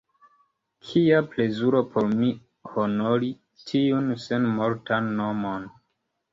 Kia plezuro por mi honori tiun senmortan nomon!